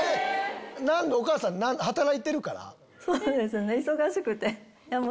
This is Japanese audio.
お母さん働いてるから？